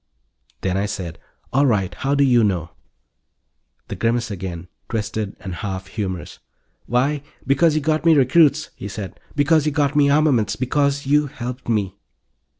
Then I said: "All right. How do you know?" The grimace again, twisted and half humorous. "Why, because you got me recruits," he said. "Because you got me armaments. Because you helped me."